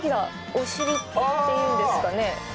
お尻っていうんですかね。